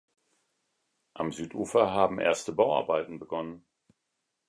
Am Südufer haben erste Bauarbeiten begonnen.